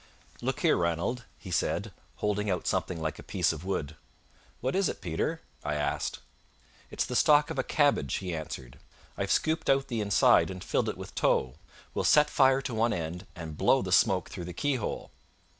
"Look here, Ranald," he said, holding out something like a piece of wood. "What is it, Peter?" I asked. "It's the stalk of a cabbage," he answered. "I've scooped out the inside and filled it with tow. We'll set fire to one end, and blow the smoke through the keyhole."